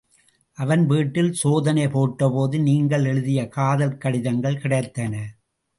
அவன் வீட்டில் சோதனை போட்டபோது நீங்கள் எழுதிய காதல் கடிதங்கள் கிடைத்தன.